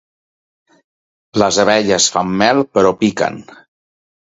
Les abelles fan mel, però piquen.